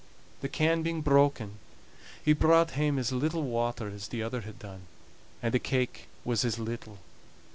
The can being broken, he brought hame as little water as the other had done, and the cake was as little.